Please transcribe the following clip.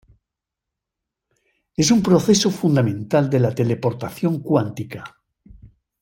Es un proceso fundamental de la teleportación cuántica.